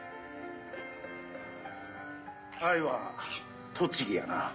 アイは栃木やな。